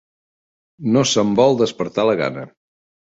No se'm vol despertar la gana.